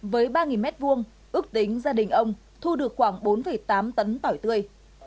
với ba m hai ước tính gia đình ông thu được khoảng bốn tám tấn tỏi tươi